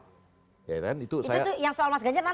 itu tuh yang soal mas ganjar nanti tuh kita masukin ya